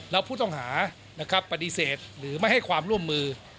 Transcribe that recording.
แล้วผู้ต้องหานะครับปฏิเสธหรือไม่ให้ความร่วมมือ